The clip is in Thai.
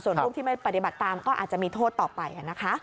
ส่วนรูปที่ไม่ปฏิบัติตามก็อาจจะมีโทษต่อไปนะคะ